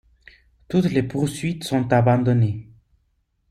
Toutes les poursuites sont abandonnées.